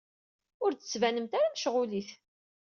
Ur d-tettbanemt ara mecɣulit.